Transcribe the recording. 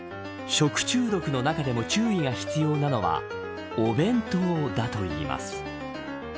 食中毒の中でも注意が必要なのはお弁当だといいます。